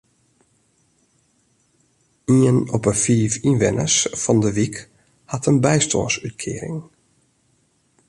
Ien op de fiif ynwenners fan de wyk hat in bystânsútkearing.